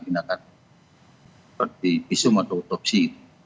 tindakan seperti isu mototopsi